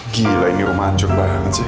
gila ini rumah hancur banget sih